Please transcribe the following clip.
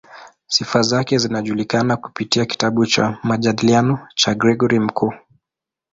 Sifa zake zinajulikana kupitia kitabu cha "Majadiliano" cha Gregori Mkuu.